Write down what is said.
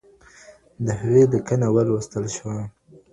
د هغې لیکنه ولوستل شوه.